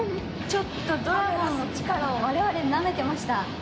ちょっとドラゴンの力を我々なめてました。